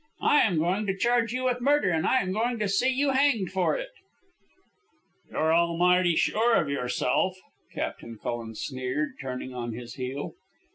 "I am going to charge you with murder, and I am going to see you hanged for it." "You're almighty sure of yourself," Captain Cullen sneered, turning on his heel.